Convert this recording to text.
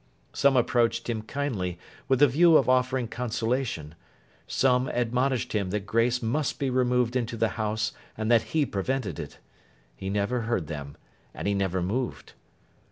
Some approached him kindly, with the view of offering consolation; some admonished him that Grace must be removed into the house, and that he prevented it. He never heard them, and he never moved.